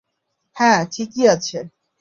হ্যাঁঁ, ঠিকই আছে।